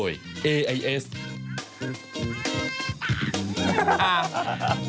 กาเลน่า